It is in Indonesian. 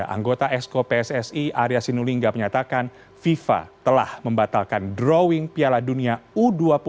anggota esko pssi arya sinulinga menyatakan fifa telah membatalkan drawing piala dunia u dua puluh dua ribu dua puluh tiga